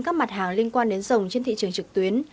các mặt hàng liên quan đến rồng trên thị trường trực tuyến